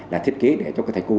là thiết kế để cho thầy cô